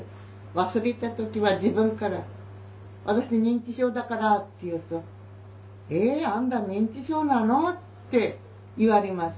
忘れた時は自分から「私認知症だから」って言うと「え？あんた認知症なの？」って言われます。